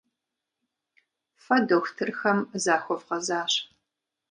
Фэ дохутырхэм захуэвгъэзащ.